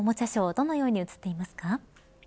どのように映っていますか。